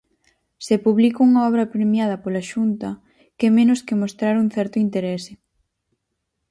Se publico unha obra premiada pola Xunta, que menos que mostrar un certo interese.